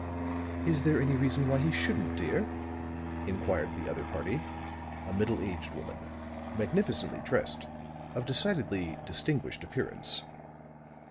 "Is there any reason why he shouldn't, dear?" inquired the other party, a middle aged woman, magnificently dressed, of decidedly distinguished appearance.